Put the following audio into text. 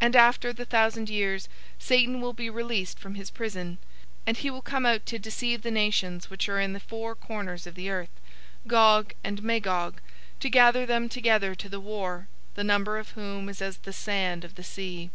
020:007 And after the thousand years, Satan will be released from his prison, 020:008 and he will come out to deceive the nations which are in the four corners of the earth, Gog and Magog, to gather them together to the war; the number of whom is as the sand of the sea.